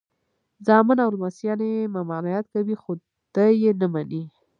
زامن او لمسیان یې ممانعت کوي خو دی یې نه مني.